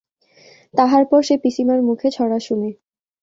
তাহার পর সে পিসিমার মুখে ছড়া শোনে।